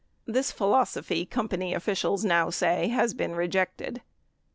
This philosophy, company officials now say, has been rejected.